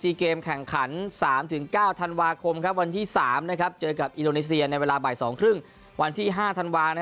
อินโดเองฟิลิปปินส์เองเขาเป็นเจ้าภาพเขาก็หวัง